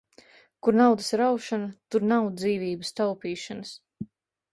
Kur naudas raušana, tur nav dzīvības taupīšanas.